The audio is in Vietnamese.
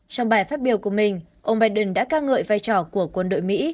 trong bài phát biểu của mình ông biden đã ca ngợi vai trò của quân đội mỹ